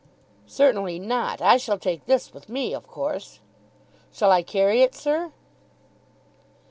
"Certainly not. I shall take this with me, of course." "Shall I carry it, sir?"